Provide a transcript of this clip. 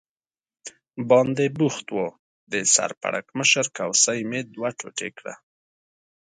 باندې بوخت و، د سر پړکمشر کوسۍ مې دوه ټوټې کړه.